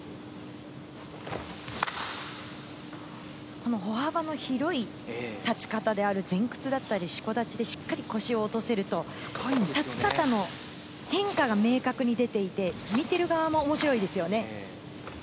この歩幅の広い立ち方である前屈だったり四股立ちでしっかり腰を落とせると、立ち方の変化が明確に出ていて、見ている側も面白いですよね。